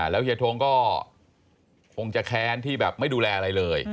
แล้วเฮียทงก็คงจะแค้นที่แบบไม่ดูแลอะไรเลย